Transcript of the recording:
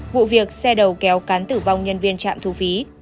vụ việc xe đầu kéo cán tử vong nhân viên trạm thu phí